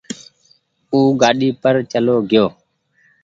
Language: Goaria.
او گآڏي پر چلو گئيو